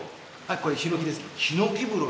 これヒノキですね。